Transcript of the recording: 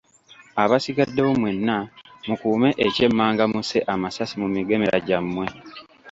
Abasigaddewo mmwenna mukuume ekyemmanga musse amasasi mu migemera gyammwe.